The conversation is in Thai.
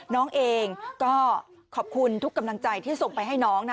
น้องเองก็ขอบคุณทุกกำลังใจที่ส่งไปให้น้องนะ